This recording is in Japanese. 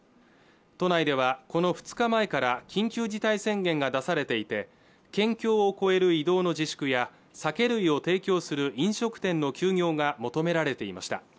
都内ではこの２日前から緊急事態宣言が出されていて県境を越える移動の自粛や酒類を提供する飲食店の休業が求められていました